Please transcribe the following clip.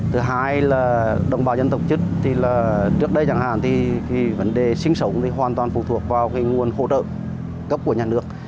thứ hai là đồng bào dân tộc chức thì là trước đây chẳng hạn thì cái vấn đề sinh sống thì hoàn toàn phụ thuộc vào cái nguồn hỗ trợ cấp của nhà nước